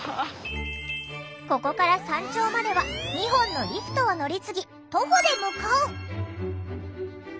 ここから山頂までは２本のリフトを乗り継ぎ徒歩で向かう。